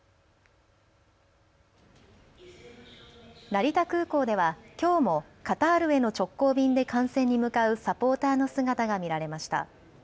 成田空港ではきょうもカタールへの直行便で観戦に向かうサポーターの姿が見られました。